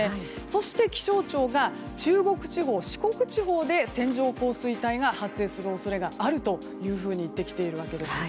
そして気象庁が中国地方、四国地方で線状降水帯が発生する恐れがあるというふうにいってきているわけです。